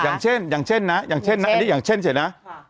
อย่างเช่นอย่างเช่นนะอย่างเช่นนะอันนี้อย่างเช่นเสียนะ